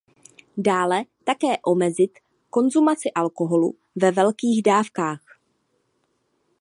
Dále také omezit konzumaci alkoholu ve velkých dávkách.